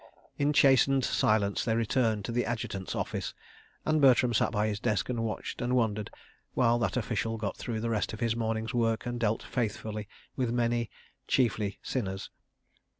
In chastened silence they returned to the Adjutant's office, and Bertram sat by his desk and watched and wondered, while that official got through the rest of his morning's work and dealt faithfully with many—chiefly sinners.